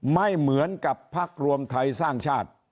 ไม่เหมือนกับพักรวมไทยสร้างชาติ